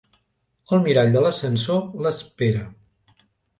El mirall de l'ascensor l'espera.